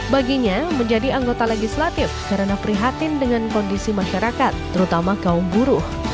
baginya menjadi anggota legislatif karena prihatin dengan kondisi masyarakat terutama kaum buruh